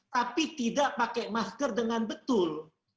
tapi tidak pakai masker dengan betul